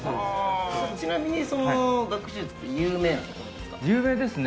ちなみに、その学習塾って有名なんですか？